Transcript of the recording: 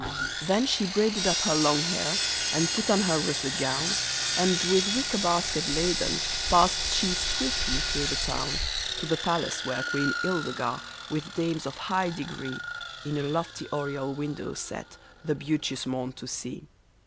Then she braided up her long hair, and put on her russet gown, And with wicker basket laden passed she swiftly through the town, To the palace where Queen Ildegar^ with dames of high de gree, In a lofty oriel window sat, the beauteous morn to see.